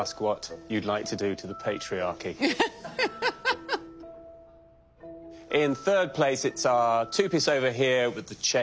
はい。